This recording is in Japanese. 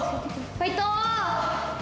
ファイト。